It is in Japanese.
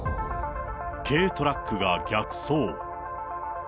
軽トラックが逆走。